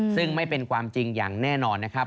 ซึ่งไม่เป็นความจริงอย่างแน่นอนนะครับ